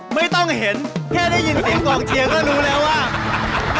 ไม่ต้องเห็นแค่ได้ยินเสียงกองเชียร์ก็รู้แล้วว่า